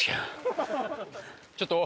ちょっと。